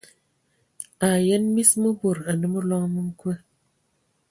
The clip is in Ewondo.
A yən mis mə bod anə məloŋ mə nkoe.